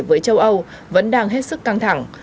với châu âu vẫn đang hết sức căng thẳng